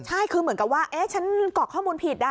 ใช่คือเหมือนกับว่าฉันกรอกข้อมูลผิดได้